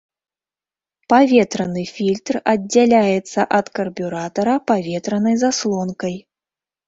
Паветраны фільтр аддзяляецца ад карбюратара паветранай заслонкай.